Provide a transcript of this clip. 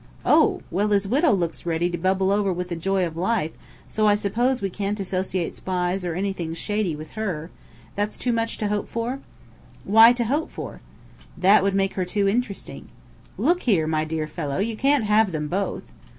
"Oh! Well, his widow looks ready to bubble over with the joy of life, so I suppose we can't associate spies or anything shady with her? That's too much to hope for?" "Why to 'hope' for?" "It would make her too interesting." "Look here, my dear fellow, you can't have them both!"